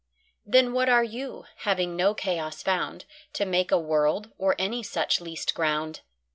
Then what are You, having no Chaos found To make a World, or any such least ground?